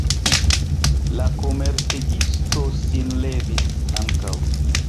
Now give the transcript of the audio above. La komercegisto sin levis ankaŭ.